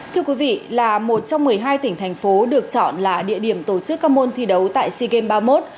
thưa quý vị là một trong một mươi hai tỉnh thành phố được chọn là địa điểm tổ chức các môn thi đấu tại sea games ba mươi một